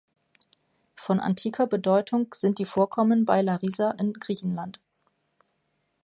Von antiker Bedeutung sind die Vorkommen bei Larisa in Griechenland.